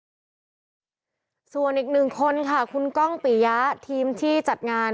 คือแม้ว่าจะมีการเลื่อนงานชาวพนักกิจแต่พิธีไว้อาลัยยังมีครบ๓วันเหมือนเดิม